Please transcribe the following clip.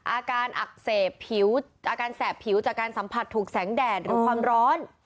อาการอักเสบผิวอาการแสบผิวจากการสัมผัสถูกแสงแดดหรือความร้อน